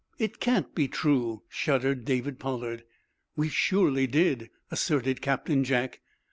It can't be true," shuddered David Pollard. "We surely did," asserted Captain Jack.